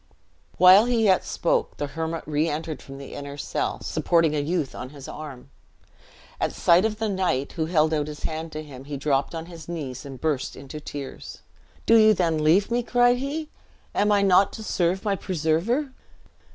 While he yet spoke, the hermit re entered from the inner cell, supporting a youth on his arm. At sight of the knight, who held out his hand to him, he dropped on his knees and burst into tears. "Do you then leave me?" cried he; "am I not to serve my preserver?"